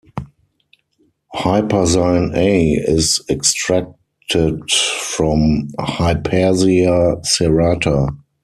Huperzine A is extracted from "Huperzia serrata".